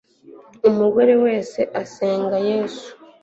Umugore wese asenga yesu